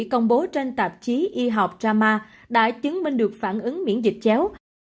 công bố trên tạp chí y học rama đã chứng minh được phản ứng miễn dịch chéo